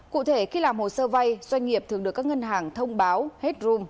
cụ thể khi làm hồ sơ vay doanh nghiệp thường được các ngân hàng thông báo hết drome